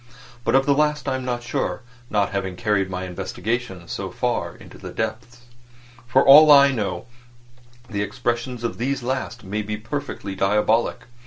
But of that last I am not sure, not having carried my investigations so far into the depths. For all I know, the expression of these last may be perfectly diabolic.